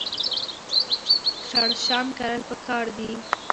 شړشم کرل پکار دي.